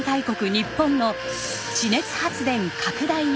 日本の地熱発電拡大へ。